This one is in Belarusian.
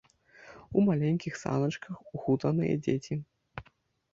У маленькіх саначках ухутаныя дзеці.